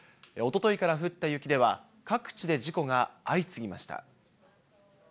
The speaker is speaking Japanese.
おとといから降った雪では、各地で事故が相次ぎました。